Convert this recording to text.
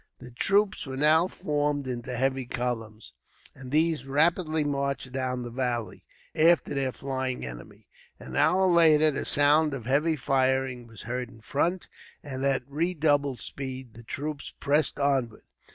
The troops were now formed into heavy columns, and these rapidly marched down the valley, after their flying enemy. An hour later, the sound of heavy firing was heard in front, and at redoubled speed the troops pressed onward.